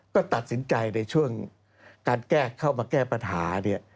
ก็ตัดสินใจในช่วงการแก้เข้ามาแก้ปัญหาเนี่ย